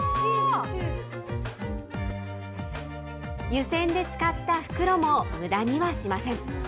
湯煎で使った袋もむだにはしません。